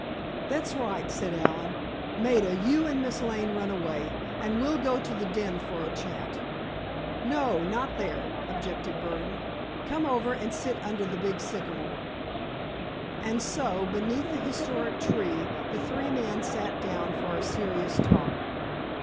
"That's right," said Allen. "Maida, you and Miss Lane run away, and we'll go to the den for a chat." "No, not there," objected Burdon. "Come over and sit under the big sycamore." And so, beneath the historic tree, the three men sat down for a serious talk.